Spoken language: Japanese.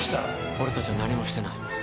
俺たちは何もしてない。